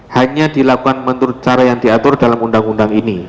hanya dilakukan menurut cara yang diatur dalam undang undang ini